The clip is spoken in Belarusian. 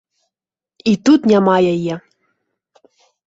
І тут няма яе.